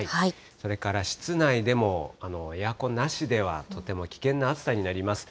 それから室内でも、エアコンなしではとても危険な暑さになります。